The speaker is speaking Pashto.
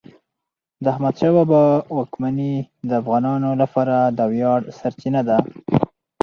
د احمدشاه بابا واکمني د افغانانو لپاره د ویاړ سرچینه ده.